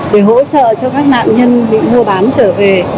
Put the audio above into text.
để hỗ trợ cho các nạn nhân bị mua bán trở về